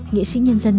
nghệ sĩ nhân dân